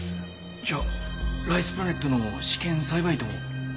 じゃあライスプラネットの試験栽培とも？